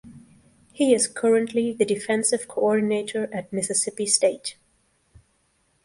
He is currently the defensive coordinator at Mississippi State.